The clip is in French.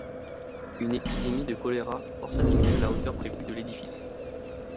Une épidémie de choléra force à diminuer la hauteur prévue de l'édifice.